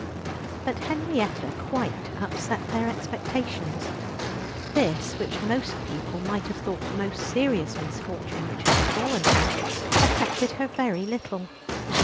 But Henrietta quite upset their expectations. This, which most people might have thought the most serious misfortune which had befallen her, affected her very little.